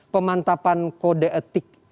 pemantapan kode etik